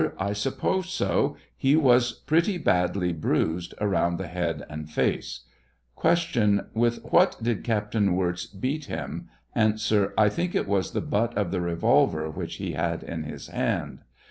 I suppose so. He was pretty badly bruised around the head and faei^. Q. With what did Captain Wirz beat him? A. I think it was tlie butt of the revolver which he had in his hand.